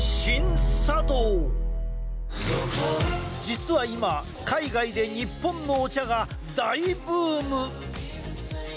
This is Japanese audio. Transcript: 実は今、海外で日本のお茶が大ブーム。